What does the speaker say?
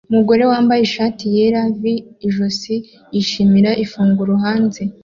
Umugore wambaye ishati yera v-ijosi yishimira ifunguro hanze